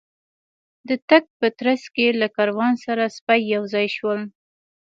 د تګ په ترڅ کې له کاروان سره سپي یو ځای شول.